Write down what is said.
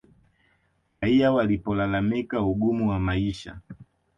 Raia walipolalamika ugumu wa maisha